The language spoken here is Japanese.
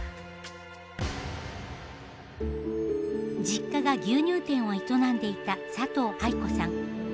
実家が牛乳店を営んでいた佐藤愛子さん。